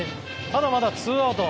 ただ、まだツーアウト。